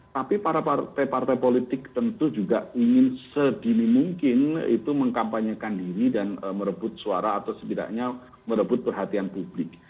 tapi para partai partai politik tentu juga ingin sedini mungkin itu mengkampanyekan diri dan merebut suara atau setidaknya merebut perhatian publik